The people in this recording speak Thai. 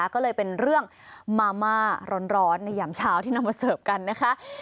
ก็เลยเป็นเรื่องมาม่าร้อนในยามเช้าที่นำมาเสิร์ฟกันนะคะ